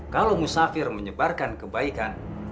kalo musafir menyebarkan kebaikan